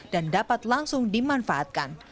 dan dapat langsung dimanfaatkan